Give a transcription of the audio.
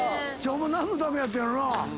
ホンマ何のためやったんやろな。